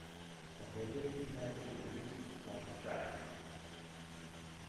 The majority have a nomadic lifestyle.